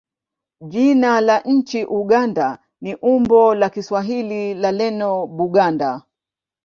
Jina la nchi Uganda ni umbo la Kiswahili la neno Buganda.